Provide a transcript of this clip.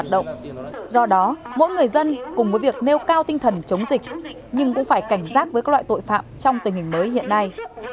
do đó mỗi người dân cùng với việc nêu cao tinh thần chống dịch nhưng cũng phải cảnh giác với các loại tội phạm trong tình hình mới hiện nay